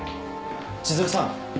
・千鶴さん。